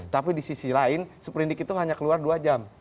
tapi di sisi lain seperindik itu hanya keluar dua jam